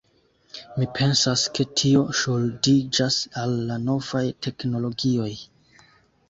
Mi pensas ke tio ŝuldiĝas al la novaj teknologioj.